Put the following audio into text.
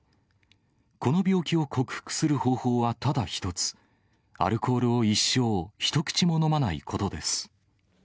この病気を克服する方法はただ一つ、アルコールを一生、一口も飲まないことです。